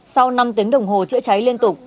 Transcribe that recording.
sau năm tiếng đồng hồ chữa cháy liên tục